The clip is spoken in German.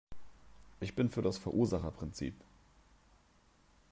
Ich bin für das Verursacherprinzip.